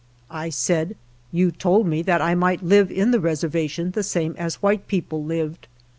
" I said: " You told me that I might live in the reservation the same as white peo ple lived.